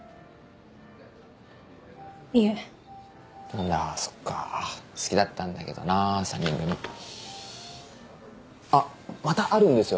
いえなんだそっか好きだったんだけどな３人組あっまたあるんですよ